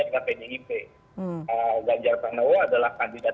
dengan pdip ganjar pranowo adalah kandidat